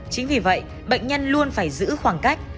chính vì vậy bệnh nhân luôn phải giữ khoảng cách